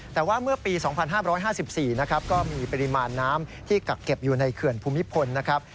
แต่ว่าเมื่อปี๒๕๕๔นะครับก็มีปริมาณน้ำที่กักเก็บอยู่ในเขื่อนภูมิพลนะครับ